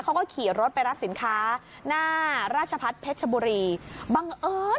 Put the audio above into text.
เขาก็ขี่รถไปรับสินค้าหน้าราชพัฒน์เพชรชบุรีบังเอิญ